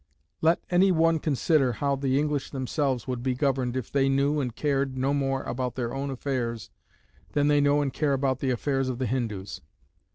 Let any one consider how the English themselves would be governed if they knew and cared no more about their own affairs than they know and care about the affairs of the Hindoos.